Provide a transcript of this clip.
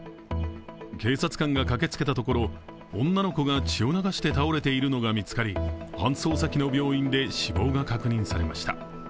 警察官が駆けつけたところ、女の子が血を流して倒れているのが見つかり、搬送先の病院で死亡が確認されました。